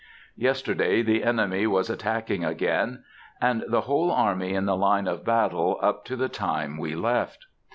Yesterday the enemy was attacking again, and the whole army in the line of battle up to the time we left.